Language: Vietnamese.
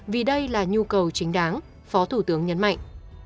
vì đây là nhu cầu chính đáng phó thủ tướng nhấn mạnh